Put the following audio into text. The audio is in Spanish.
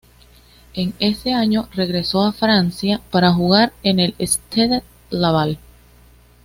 En ese año regresó a Francia para jugar en el Stade Laval.